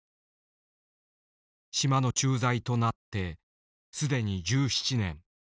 島の駐在となってすでに１７年。